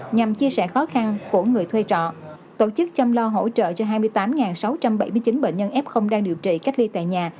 nhằm chia sẻ khó khăn của người thuê trọ tổ chức chăm lo hỗ trợ cho hai mươi tám sáu trăm bảy mươi chín bệnh nhân f đang điều trị cách ly tại nhà